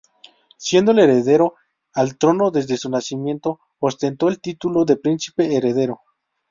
Siendo el heredero al trono desde su nacimiento ostentó el título de Príncipe Heredero.